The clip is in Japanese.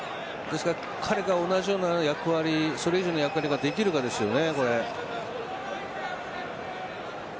彼が同じような役割それ以上の役割ができるかですよね。